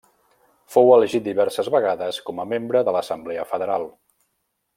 Fou elegit diverses vegades com a membre de l'Assemblea Federal.